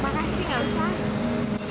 makasih nga sat